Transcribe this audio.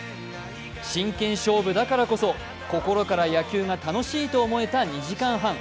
真剣勝負だからこそ、心から野球を楽しいと思えた２時間半。